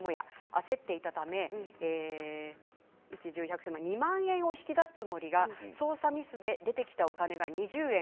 焦っていたため２万円を引き出すつもりが操作ミスで出てきたお金が２０円。